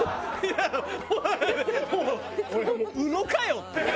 俺もう宇野かよって。